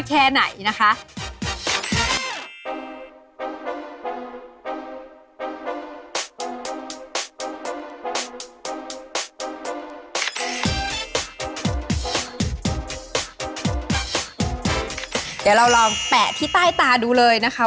เดี๋ยวเราลองแปะที่ใต้ตาดูเลยนะคะ